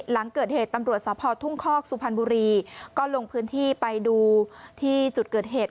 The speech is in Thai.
หลังเกิดเหตุตำรวจสภทุ่งคอกสุพรรณบุรีก็ลงพื้นที่ไปดูที่จุดเกิดเหตุ